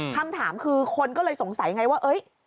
คำถามคือคนก็เลยสงสัยไงว่า